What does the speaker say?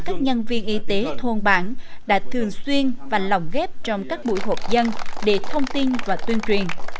các nhân viên y tế thôn bản đã thường xuyên và lòng ghép trong các buổi hộp dân để thông tin và tuyên truyền